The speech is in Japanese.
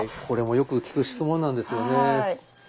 これもよく聞く質問なんですよね。